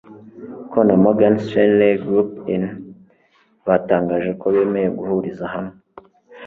Co na Morgan Stanley Group Inc, batangaje ko bemeye guhuriza hamwe